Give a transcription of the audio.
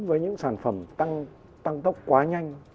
với những sản phẩm tăng tốc quá nhanh